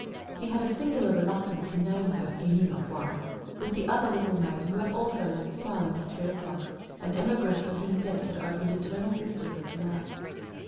He had a singular reluctance to name her he knew not why with the other little maid who also had left smiling at three o'clock, an emigrant for whom Death had opened eternal vistas of delight.